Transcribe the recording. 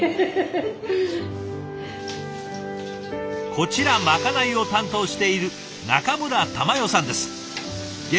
こちらまかないを担当している中村たまよさんです。